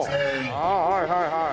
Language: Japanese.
ああはいはいはい。